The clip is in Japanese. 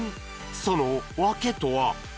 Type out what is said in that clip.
その訳とは？